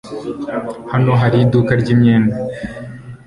Hano hano hari iduka ryimyenda?